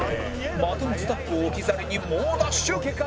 またもスタッフを置き去りに猛ダッシュ